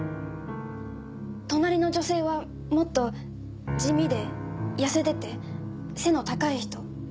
隣の女性はもっと地味で痩せてて背の高い人。